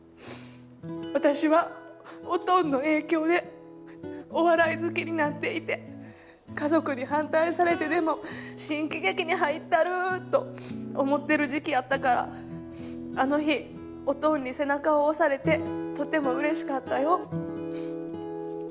私はおとんの影響でお笑い好きになっていて家族に反対されてでも新喜劇に入ったる！と思ってる時期やったからあの日おとんに背中を押されてとてもうれしかったよ。